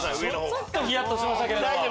ちょっとヒヤっとしましたけど。